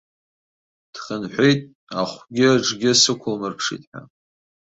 Дхынҳәит ахәгьыаҿгьы сықәылмырԥшит ҳәа.